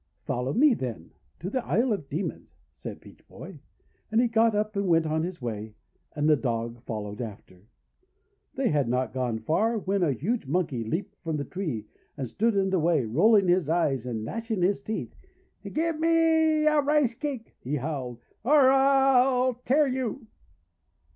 "Follow me, then, to the Isle of Demons," said Peach Boy, and he got up and went on his way. And the Dog followed after. They had not gone far, when a huge Monkey leaped from a tree, and stood in the way, rolling his eyes and gnashing his teeth. "Give me a Rice Cake," he howled, "or I'll tear you!'